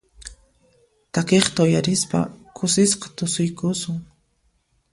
Takiqta uyarispa kusisqa tusuyukusun.